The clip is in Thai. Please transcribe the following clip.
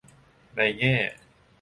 ในแง่